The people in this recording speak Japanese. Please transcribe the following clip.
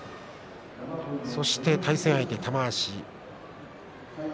そして対戦相手、玉鷲。